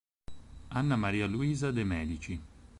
Anna Maria Luisa de' Medici